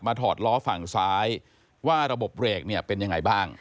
ถอดล้อฝั่งซ้ายว่าระบบเบรกเนี่ยเป็นยังไงบ้าง